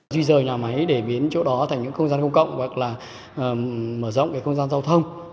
di rời nhà máy để biến chỗ đó thành những không gian công cộng hoặc là mở rộng cái không gian giao thông